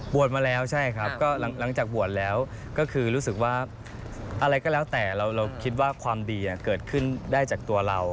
มาแล้วใช่ครับก็หลังจากบวชแล้วก็คือรู้สึกว่าอะไรก็แล้วแต่เราคิดว่าความดีเกิดขึ้นได้จากตัวเรา